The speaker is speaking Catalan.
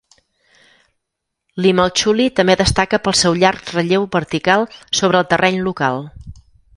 L'Himalchuli també destaca pel seu llarg relleu vertical sobre el terreny local.